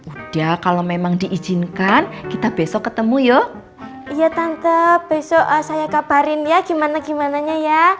udah kalau memang diizinkan kita besok ketemu yuk ya tangkep besok saya kabarin ya gimana gimananya ya